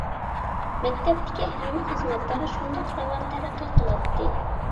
مەكتەپتىكى ھەممە خىزمەتلەر شۇنداق راۋان تەرەققىي قىلاتتى.